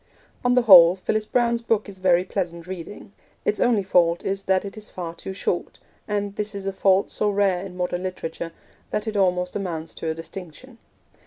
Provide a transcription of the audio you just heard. On the whole, Phyllis Browne's book is very pleasant reading. Its only fault is that it is far too short, and this is a fault so rare in modern literature that it almost amounts to a distinction.